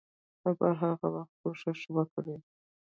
ته به هر وخت کوښښ وکړې.